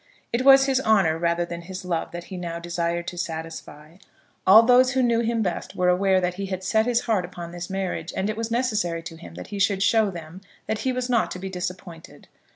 It was his honour rather than his love that he now desired to satisfy. All those who knew him best were aware that he had set his heart upon this marriage, and it was necessary to him that he should show them that he was not to be disappointed.